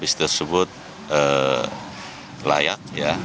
pastikan bis tersebut layak ya